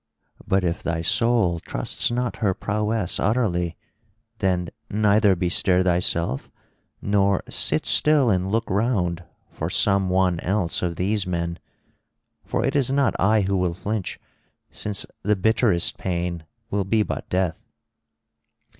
But if thy soul trusts not her prowess utterly, then neither bestir thyself nor sit still and look round for some one else of these men. For it is not I who will flinch, since the bitterest pain will be but death."